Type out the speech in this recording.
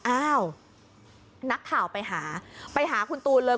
อ้าวนักข่าวไปหาไปหาคุณตูนเลย